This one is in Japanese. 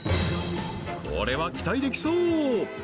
これは期待できそう！